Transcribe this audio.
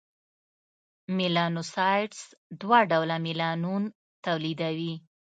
میلانوسایټس دوه ډوله میلانون تولیدوي: